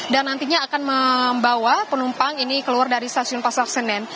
dan nantinya akan membawa penumpang ini keluar dari stasiun pasar senen